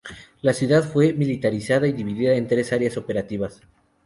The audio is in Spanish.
La ciudad fue militarizada y dividida en tres áreas operativas.